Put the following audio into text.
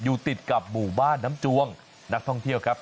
อยู่ติดกับหมู่บ้านน้ำจวงนักท่องเที่ยวครับ